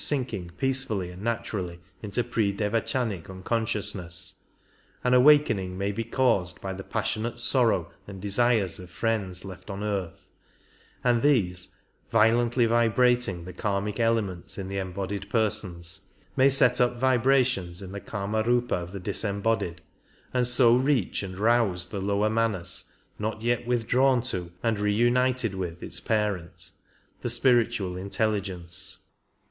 k 31 sinking peacefully and naturally into pre devachanic uncon sciousness an awakening may be caused by the passionate sorrow and desires of friends left on earth, and these, vio lently vibrating the kHmic elements in the embodied persons, may set up vibrations in the KimarQpa of the disembodied, and so reach and rouse the lower Manas not yet withdrawn to and reunited with its parent, the spiritual intelligence.